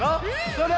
それ！